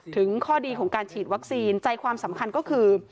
ข้อดีของการฉีดวัคซีนใจความสำคัญก็คือ